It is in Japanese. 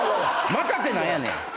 「また」って何やねん。